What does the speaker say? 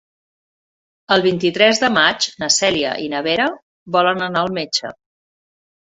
El vint-i-tres de maig na Cèlia i na Vera volen anar al metge.